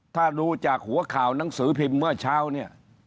ถ้าดูจากหัวข่าวหนังสือพิมพ์เมื่อเช้าเนี่ย